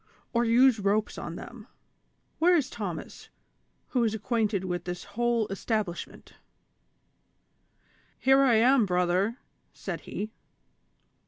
227 or use ropes on them ; where is Thomas, who is acquainted with this whole establishment V "" Here I am, brother," said he.